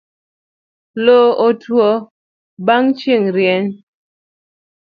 Loo otuo bang' chieng' rieny